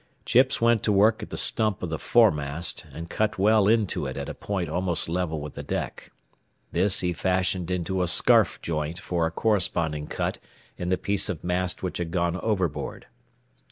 Chips went to work at the stump of the foremast, and cut well into it at a point almost level with the deck. This he fashioned into a scarf joint for a corresponding cut in the piece of mast which had gone overboard.